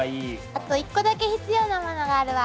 あと一個だけ必要なものがあるわ！